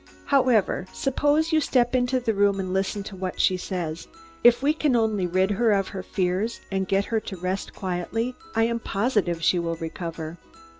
However, suppose you step into the room and listen to what she says. If we can only rid her of her fears and get her to rest quietly, I am positive she will recover."